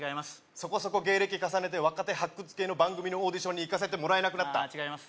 そこそこ芸歴重ねて若手発掘系の番組のオーディションに行かせてもらえないああ違います